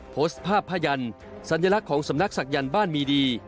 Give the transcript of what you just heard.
โพสต์ภาพผ้ายันสัญลักษณ์ของสำนักศักยันต์บ้านมีดี